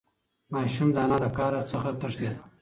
ماشوم د انا له قهر نه تښتېده.